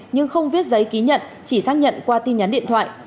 nhưng không viết giấy ký nhận chỉ xác nhận qua tin nhắn điện thoại